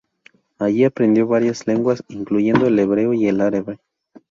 Allí aprendió varias lenguas, incluyendo el hebreo y el árabe.